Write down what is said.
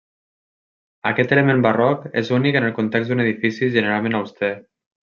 Aquest element barroc és únic en el context d'un edifici generalment auster.